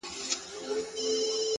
د پيغورونو په مالت کي بې ريا ياري ده،